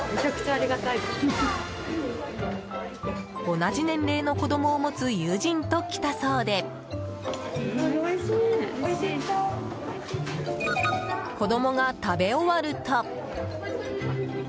同じ年齢の子供を持つ友人と来たそうで子供が食べ終わると。